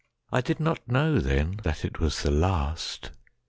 I did not know, Then, that it was the last.